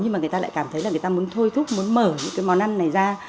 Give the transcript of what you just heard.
nhưng mà người ta lại cảm thấy là người ta muốn thôi thúc muốn mở những cái món ăn này ra